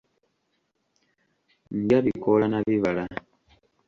Ndya bikoola na bibala.